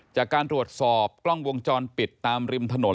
จากการตรวจสอบกล้องวงจรปิดตามริมถนน